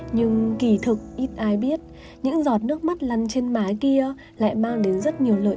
nhưng kỳ thực ít ai biết những giọt nước mắt lăn trên mái kia lại mang đến rất nhiều lợi